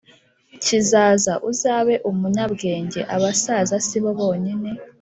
kizaza uzabe umunyabwenge Abasaza si bo bonyine